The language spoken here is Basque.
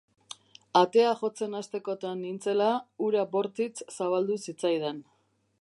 Atea jotzen hastekotan nintzela, hura bortitz zabaldu zitzaidan.